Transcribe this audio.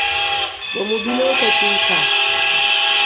Ba mu bi lokacin ka